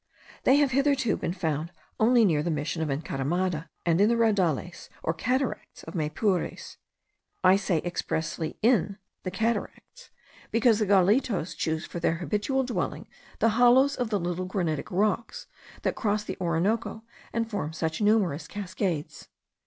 They have hitherto been found only near the Mission of Encaramada, and in the Raudales or cataracts of Maypures. I say expressly IN the cataracts, because the gallitos choose for their habitual dwelling the hollows of the little granitic rocks that cross the Orinoco and form such numerous cascades.